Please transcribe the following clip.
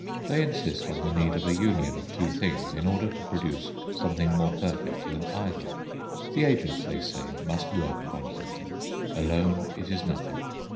They insist on the need of a union of two things, in order to produce something more perfect than either. The agent, they say, must work upon something; alone it is nothing.